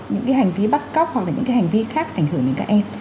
những cái hành vi bắt cóc hoặc là những cái hành vi khác ảnh hưởng đến các em